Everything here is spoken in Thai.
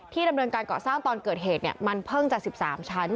ดำเนินการเกาะสร้างตอนเกิดเหตุมันเพิ่งจะ๑๓ชั้น